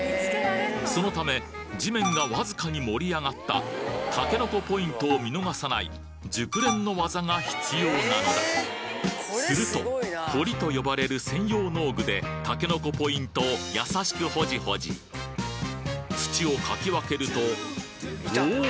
そのため地面がわずかに盛り上がったたけのこポイントを見逃さない熟練の技が必要なのだするとホリと呼ばれる専用農具でたけのこポイントを優しくホジホジ土をかき分けるとおぉ！